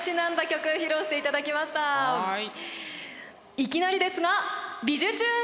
いきなりですが「びじゅチューン！」